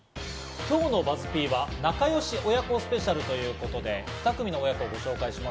今日のＢＵＺＺ−Ｐは仲良し親子スペシャルということで、２組の親子をご紹介します。